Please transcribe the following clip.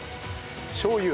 しょう油。